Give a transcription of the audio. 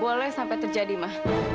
boleh sampai terjadi ma